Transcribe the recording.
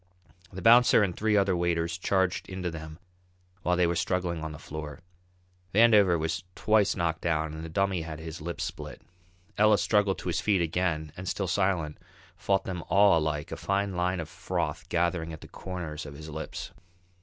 The bouncer and three other waiters charged into them while they were struggling on the floor. Vandover was twice knocked down and the Dummy had his lip split. Ellis struggled to his feet again and, still silent, fought them all alike, a fine line of froth gathering at the corners of his lips.